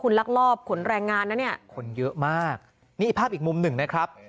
คุณลักลอบขนแรงงานนะเนี่ยคนเยอะมากนี่ภาพอีกมุมหนึ่งนะครับ